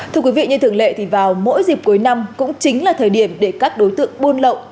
thưa quý vị như thường lệ thì vào mỗi dịp cuối năm cũng chính là thời điểm để các đối tượng buôn lậu